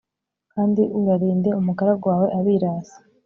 kandi urarinde umugaragu wawe abirasi